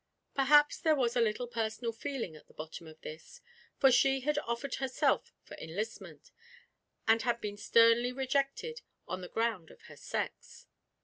Perhaps there was a little personal feeling at the bottom of this, for she had offered herself for enlistment, and had been sternly rejected on the ground of her sex.